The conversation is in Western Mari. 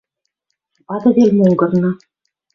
Вадывел монгырны